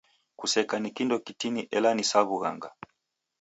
Kuseka ni kindo kitini ela ni sa w'ughanga.